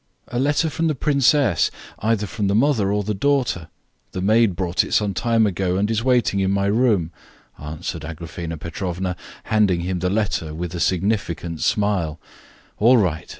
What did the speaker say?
"A letter from the princess; either from the mother or the daughter. The maid brought it some time ago, and is waiting in my room," answered Agraphena Petrovna, handing him the letter with a significant smile. "All right!